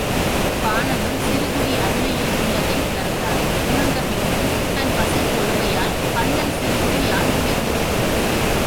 பாணனும் சிறுகுடி அண்மையில் உள்ளதை உணர்ந்தான் உணர்ந்த பின்னும், தன் பசிக்கொடுமையால், பண்ணன் சிறுகுடி யாண்டுளது?